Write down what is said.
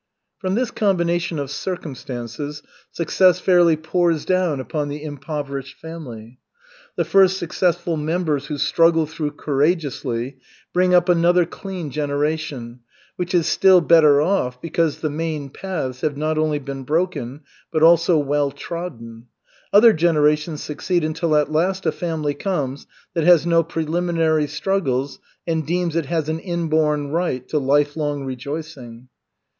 From this combination of circumstances, success fairly pours down upon the impoverished family. The first successful members who struggle through courageously, bring up another clean generation, which is still better off because the main paths have not only been broken but also well trodden. Other generations succeed until at last a family comes that has no preliminary struggles and deems it has an inborn right to lifelong rejoicing.